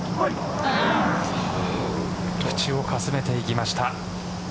縁をかすめていきました。